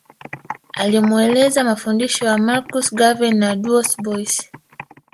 Alimueleza mafundisho ya Marcus Garvey na Du Bois